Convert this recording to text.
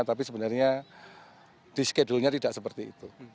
tapi sebenarnya di skedulnya tidak seperti itu